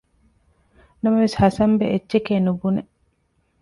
ނަމަވެސް ހަސަންބެ އެއްޗެކޭނުބުނެ